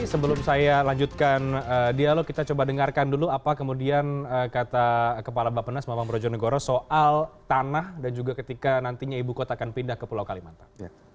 sebelum saya lanjutkan dialog kita coba dengarkan dulu apa kemudian kata kepala bapenas bapak brojonegoro soal tanah dan juga ketika nantinya ibu kota akan pindah ke pulau kalimantan